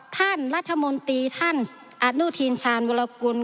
ท่านรัฐมนตรีอานุทีชาญเวลากุล